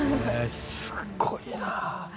すごいな。